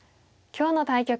今日の対局